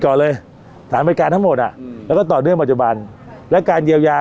ก่อนเลยสถานบริการทั้งหมดอ่ะแล้วก็ต่อเนื่องปัจจุบันและการเยียวยา